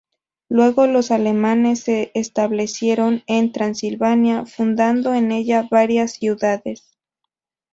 Luego los alemanes se establecieron en Transilvania, fundando en ella varias ciudades.